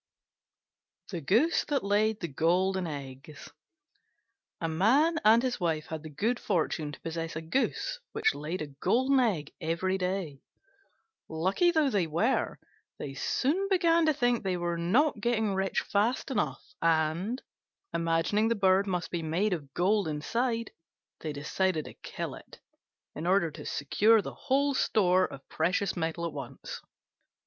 THE GOOSE THAT LAID THE GOLDEN EGGS A Man and his Wife had the good fortune to possess a Goose which laid a Golden Egg every day. Lucky though they were, they soon began to think they were not getting rich fast enough, and, imagining the bird must be made of gold inside, they decided to kill it in order to secure the whole store of precious metal at once.